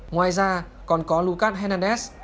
ngoài ra còn có lucas hernandez